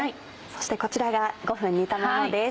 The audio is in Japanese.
そしてこちらが５分煮たものです。